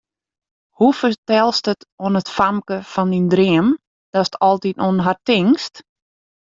Hoe fertelst it oan it famke fan dyn dreamen, datst altyd oan har tinkst?